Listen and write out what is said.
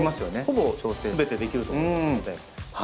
ほぼすべてできると思いますので。